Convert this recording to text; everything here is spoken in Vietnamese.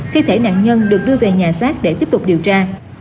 thi thể nạn nhân được đưa về nhà xác để tiếp tục điều tra